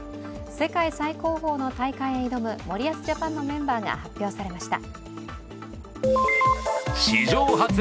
世界最高峰の大会へ挑む森保ジャパンのメンバーが発表されました。